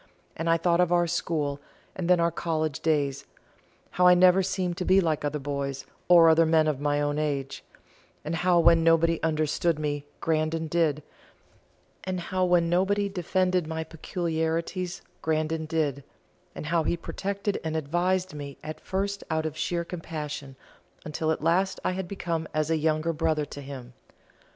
and I thought of our school and then our college days how I never seemed to be like other boys or other men of my own age and how when nobody understood me Grandon did, and how when nobody defended my peculiarities Grandon did how he protected and advised me at first out of sheer compassion, until at last I had become as a younger brother to him.